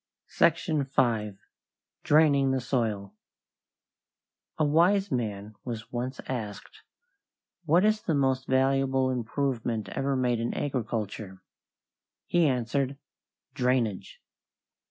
SECTION V. DRAINING THE SOIL A wise man was once asked, "What is the most valuable improvement ever made in agriculture?" He answered, "Drainage."